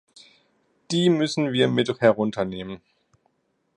Die müssen wir mit herunter nehmen.